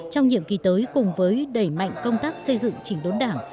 trong nhiệm kỳ tới cùng với đẩy mạnh công tác xây dựng chỉnh đốn đảng